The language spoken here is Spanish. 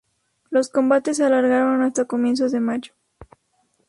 Los combates se alargaron hasta comienzos de mayo.